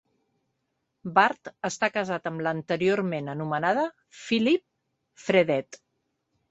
Bart està casat amb l'anteriorment anomenada Phyllis Fredette.